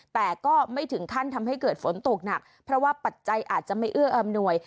แต่ก็ไม่ถึงขั้นทำให้เกิดฝนตกหนักเพราะว่าปัจจัยอาจจะไม่เอื้ออำนวย